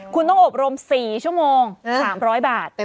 คุณต้องอบรม๔ชั่วโมง๓๐๐บาท